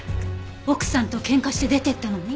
奥さんと喧嘩して出て行ったのに？